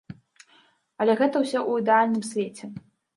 Але гэта ўсё ў ідэальным свеце.